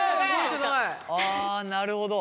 あなるほど。